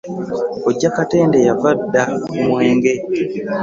Kkojja Katende yava dda ku mwenge.